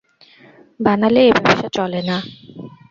বানালে এ ব্যবসা চলে না।